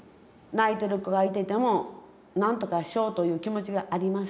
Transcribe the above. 泣いてる子がいててもなんとかしようという気持ちがありますやん。